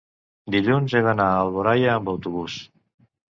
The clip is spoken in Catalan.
Dilluns he d'anar a Alboraia amb autobús.